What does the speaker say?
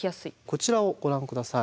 こちらをご覧下さい。